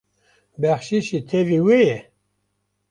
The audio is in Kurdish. Bexşîş jî tevî wê ye?